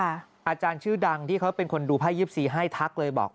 อาจารย์ชื่อดังที่เขาเป็นคนดูไพ่๒๔ให้ทักเลยบอก